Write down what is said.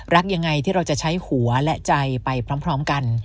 รักยังไงที่เราจะใช้หัวและใจไปพร้อมกัน